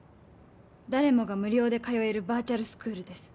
誰もが無料で通えるバーチャルスクールです